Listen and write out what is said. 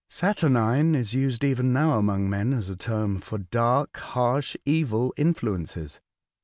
Saturnine is used even now among men as a term for dark, harsh, evil influences.